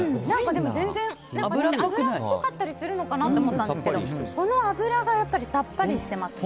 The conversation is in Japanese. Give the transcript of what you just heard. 全然、脂っぽかったりするのかなと思ったんですけどこの脂がやっぱりさっぱりしてますね。